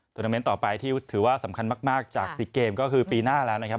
นาเมนต์ต่อไปที่ถือว่าสำคัญมากจาก๔เกมก็คือปีหน้าแล้วนะครับ